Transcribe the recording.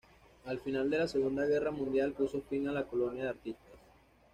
El final de la Segunda Guerra Mundial puso fin a la colonia de artistas.